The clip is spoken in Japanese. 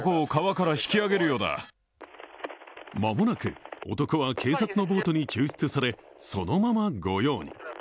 間もなく男は警察のボートに救出され、そのまま御用に。